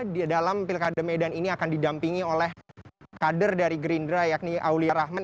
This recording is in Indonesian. di dalam pilkada medan ini akan didampingi oleh kader dari gerindra yakni auli rahman